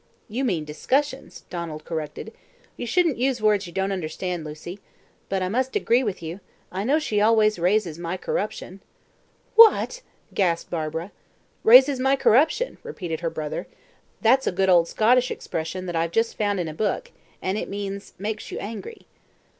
"You mean discussions," Donald corrected. "You shouldn't use words you don't understand, Lucy. But I must say I agree with you; I know she always raises my corruption." "What!" gasped Barbara. "Raises my corruption," repeated her brother; "that's a good old Scottish expression that I've just found in a book, and it means 'makes you angry.'"